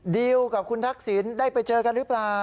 ดิวกับคุณทักษิณได้ไปเจอกันหรือเปล่า